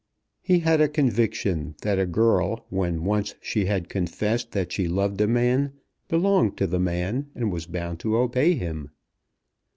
He had a conviction that a girl when once she had confessed that she loved a man, belonged to the man, and was bound to obey him.